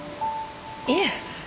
いえ。